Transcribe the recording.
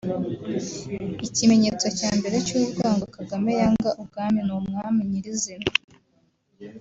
Ikimenyetso cya mbere cy’urwango Kagame yanga ubwami n’umwami nyir’izina